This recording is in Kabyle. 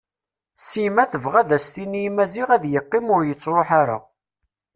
Sima tebɣa ad as-tini i Maziɣ ad yeqqim ur yettruḥ ara.